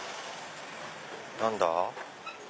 何だ？